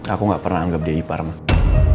aku gak pernah anggap de ipar mas